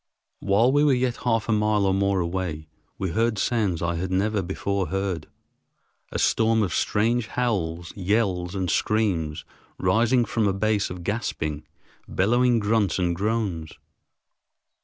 While we were yet half a mile or more away, we heard sounds I had never before heard—a storm of strange howls, yells, and screams rising from a base of gasping, bellowing grunts and groans.